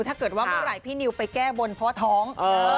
ถ้าเกิดว่าเมื่อไหร่พี่นิวไปแก้บนเพราะท้อง